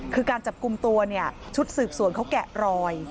คือการจับกลุ่มตัวเนี่ยชุดสืบสวนเขาแกะรอย